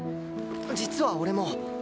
実は俺も。